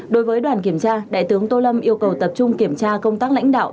đối với đoàn kiểm tra đại tướng tô lâm yêu cầu tập trung kiểm tra công tác lãnh đạo